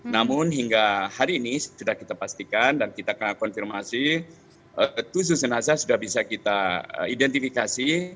namun hingga hari ini sudah kita pastikan dan kita konfirmasi tujuh jenazah sudah bisa kita identifikasi